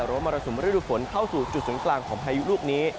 หรือว่ามรสุมระยุดฝนเข้าสู่จุดศูนย์กลางของพายุลูกนี้